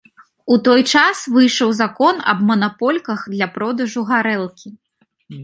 У той час выйшаў закон аб манапольках для продажу гарэлкі.